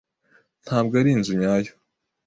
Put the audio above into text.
Ntabwo ari inzu nyayo.